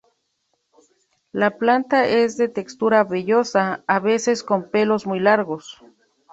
La planta es de textura vellosa, a veces con pelos muy largos.